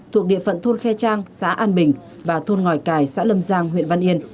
thuộc địa phận thôn khe trang xã an bình và thôn ngòi cài xã lâm giang huyện văn yên